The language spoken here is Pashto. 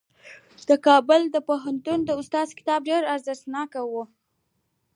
د کابل پوهنتون د استاد کتاب ډېر ارزښتناک و.